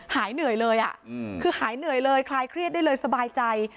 หายเหนื่อยเลยคือหายเหนื่อยเลยคลายเครียดได้เลยสบายใจ